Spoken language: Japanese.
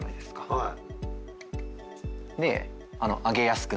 はい。